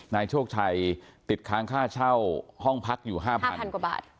นายโชคชัยติดค้างค่าเช่าห้องพักอยู่๕๐๐กว่าบาท